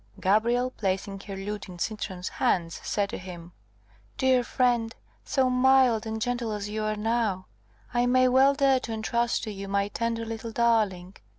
Gabrielle, placing her lute in Sintram's hands, said to him, "Dear friend, so mild and gentle as you now are, I may well dare to entrust to you my tender little darling.